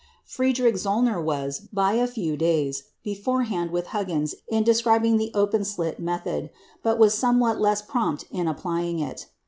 Friedrich Zöllner was, by a few days, beforehand with Huggins in describing the open slit method, but was somewhat less prompt in applying it.